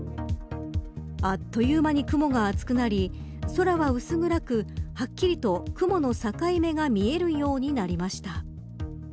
あっという間に雲が厚くなり空は薄暗くはっきりと雲の境目が見えるようになりました。